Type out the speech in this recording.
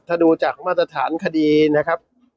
ถ้าดูจากมาตรฐานคดีนะครับ